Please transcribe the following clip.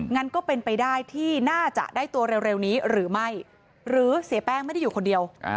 งั้นก็เป็นไปได้ที่น่าจะได้ตัวเร็วนี้หรือไม่หรือเสียแป้งไม่ได้อยู่คนเดียว